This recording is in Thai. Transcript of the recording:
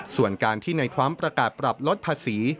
ส่วนการที่ในทรัมป์ประกาศปรับลดภาษี